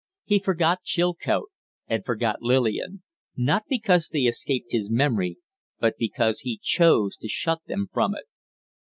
He forgot Chilcote and forgot Lillian not because they escaped his memory, but because he chose to shut them from it.